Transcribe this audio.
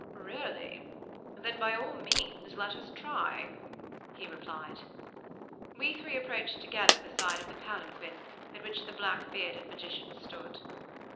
"Really! Then, by all means, let us try," he replied. We three approached, together, the side of the palanquin, at which the black bearded magician stood.